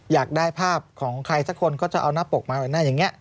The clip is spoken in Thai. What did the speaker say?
อยากได้ภาพของใครสักคนก็จะเอาหน้าปกมาไว้หน้าอย่างนี้